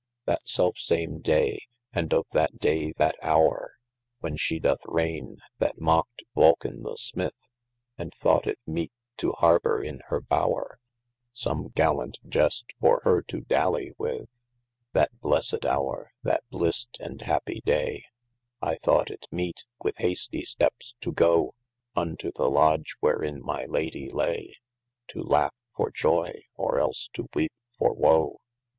THat selfe same day, and of that day that hower, When she doth raigne, that mockt Vulcan the smith, And thought it meete to harbor in hir bower, Some gallant gest for hir to dally with, That blessed houre, that blist and happie daye, I thought it meete, with has tie steppes to go Unto the lodge, wherin my Lady laye, To laugh for joye, or else to weepe for woe.